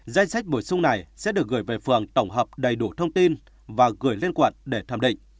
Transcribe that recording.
danh sách bổ sung này sẽ được gửi về phường tổng hợp đầy đủ thông tin và gửi lên quận để thẩm định